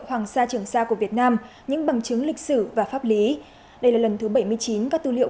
hoàng sa trường sa của việt nam những bằng chứng lịch sử và pháp lý đây là lần thứ bảy mươi chín các tư liệu